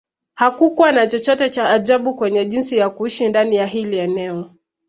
Hakukua na chochote cha ajabu kwenye jinsi ya kuishi ndani ya hili eneo